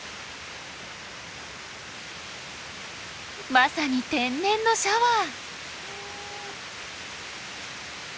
まさに天然のシャワー！